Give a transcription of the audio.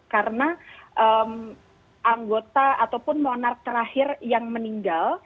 karena anggota ataupun monark terakhir yang meninggal